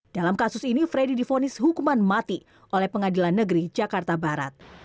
dalam kasus ini freddy difonis hukuman mati oleh pengadilan negeri jakarta barat